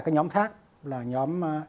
các nhóm khác là nhóm